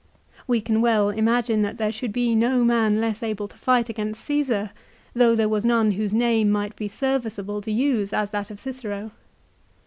We can well imagine that there should be no man less able to fight against Caesar, though there was none whose name might be serviceable to use as that of Cicero.